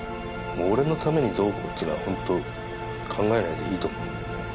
俺のためにどうこうっていうのはほんと考えないでいいと思うんだよね。